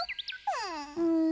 うん。